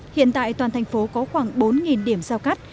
hiện tại toàn thành phố có khoảng bốn điểm giao cắt